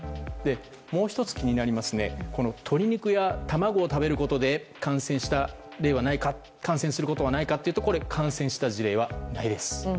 もう１つ、気になるのが鶏肉や卵を食べることで感染した例はないか感染することはないかというと感染した事例はないです。